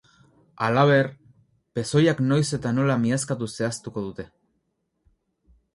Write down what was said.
Halaber, pezoiak noiz eta nola miazkatu zehaztuko dute.